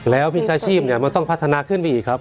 แล้ววิชาชีพมันต้องพัฒนาขึ้นไปอีกครับ